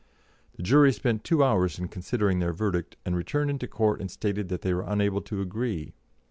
The jury spent two hours in considering their verdict, and returned into court and stated that they were unable to agree.